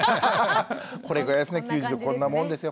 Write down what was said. これぐらいですね９０度こんなもんですよ